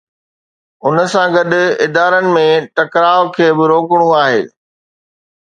ان سان گڏ ادارن ۾ ٽڪراءُ کي به روڪڻو آهي.